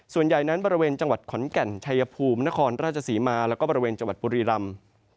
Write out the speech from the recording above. ส่วนใหญ่นั้นบริเวณจังหวัดขอนแก่นชัยภูมินครราชศรีมาแล้วก็บริเวณจังหวัดบุรีรำ